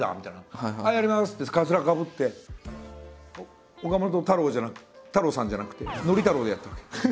はいやりますってかつらかぶって岡本太郎じゃなく太郎さんじゃなくて憲太郎でやってるから。